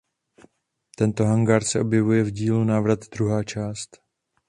Tento hangár se objevuje v dílu "Návrat druhá část".